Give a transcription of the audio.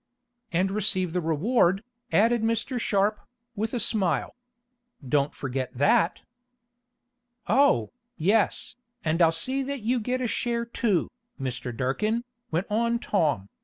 "And receive the reward," added Mr. Sharp, with a smile. "Don't forget that!" "Oh, yes, and I'll see that you get a share too, Mr. Durkin," went on Tom.